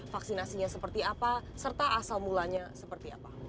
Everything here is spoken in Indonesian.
vaksinasinya seperti apa serta asal mulanya seperti apa